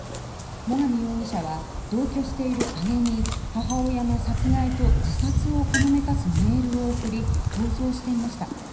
最上容疑者は同居している姉に母親の殺害と自殺をほのめかすメールを送り逃走していました。